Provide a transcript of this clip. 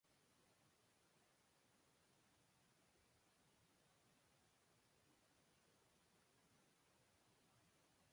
Sin embargo, los áfidos son por excelencia el medio más eficiente de trasmisión.